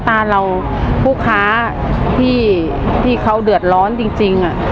ตาเราผู้ค้าที่เขาเดือดร้อนจริง